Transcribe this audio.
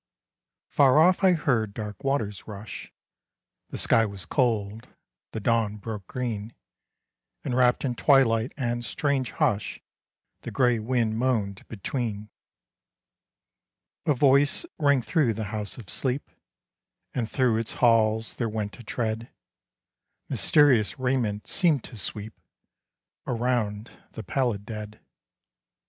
Far off I heard dark waters rush; The sky was cold; the dawn broke green; And wrapped in twilight and strange hush The gray wind moaned between. A voice rang through the House of Sleep, And through its halls there went a tread; Mysterious raiment seemed to sweep Around the pallid dead.